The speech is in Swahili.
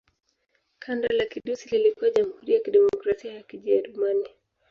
Kanda la Kirusi lilikuwa Jamhuri ya Kidemokrasia ya Kijerumani.